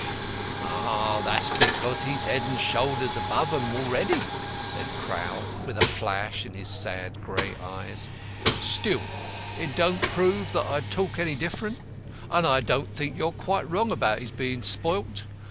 "Ah, that's because he's head and shoulders above 'em already," said Crowl, with a flash in his sad grey eyes. "Still, it don't prove that I'd talk any different. And I think you're quite wrong about his being spoilt.